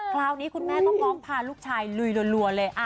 คราวนี้คุณแม่ก็พร้อมพาลูกชายลุยรัวเลย